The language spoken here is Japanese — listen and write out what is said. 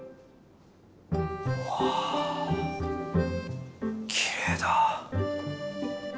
わあきれいだ。